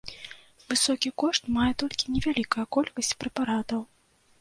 Высокі кошт мае толькі невялікая колькасць прэпаратаў.